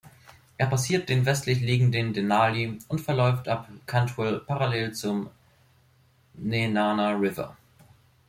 Er passiert den westlich liegenden Denali und verläuft ab Cantwell parallel zum Nenana River.